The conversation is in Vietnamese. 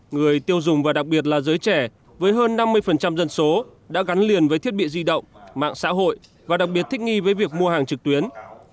người tiêu dùng và đặc biệt là giới trẻ với hơn năm mươi dân số đã gắn liền với thiết bị di động mạng xã hội và đặc biệt thích nghi với việc mua hàng trực tuyến